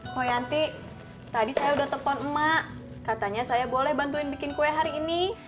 hoyanti tadi saya udah telpon emak katanya saya boleh bantuin bikin kue hari ini